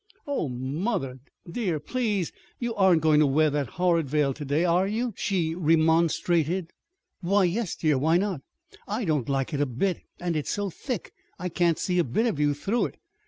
"Oh, mother, dear, please! You aren't going to wear that horrid veil to day, are you?" she remonstrated. "Why, yes, dear. Why not?" "I don't like it a bit. And it's so thick! I can't see a bit of you through it."